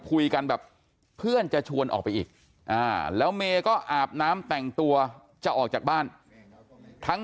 คุยกันแบบเพื่อนจะชวนออกไปอีกแล้วเมย์ก็อาบน้ำแต่งตัวจะออกจากบ้านทั้ง